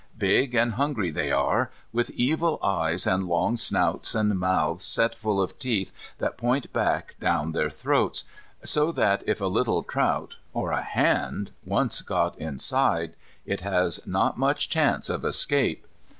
Big and hungry they are, with evil eyes and long snouts, and mouths set full of teeth that point back down their throats, so that if a little trout or a hand once got inside it has not much chance of escape.